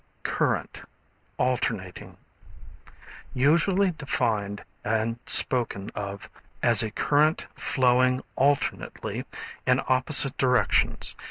Current, Alternating. Usually defined and spoken of as a current flowing alternately in opposite directions.